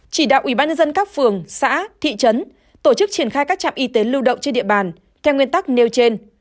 chỉ đạo ubnd các phường xã thị trấn tổ chức triển khai các trạm y tế lưu động trên địa bàn theo nguyên tắc nêu trên